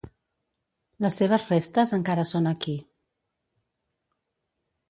Les seves restes encara són aquí.